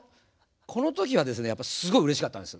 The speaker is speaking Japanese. この時はですねやっぱりすごいうれしかったんです。